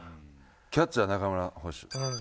キャッチャー中村捕手。